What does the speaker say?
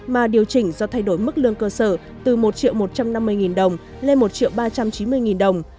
mà điều chỉnh do thay đổi mức lương cơ sở từ một triệu một trăm năm mươi đồng lên một triệu ba trăm chín mươi đồng